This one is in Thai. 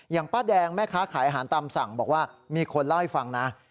ป้าแดงแม่ค้าขายอาหารตามสั่งบอกว่ามีคนเล่าให้ฟังนะ